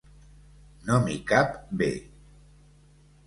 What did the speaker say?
No m'hi cap bé.